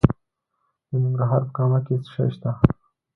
د ننګرهار په کامه کې څه شی شته؟